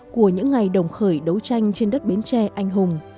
của những ngày đồng khởi đấu tranh trên đất bến tre anh hùng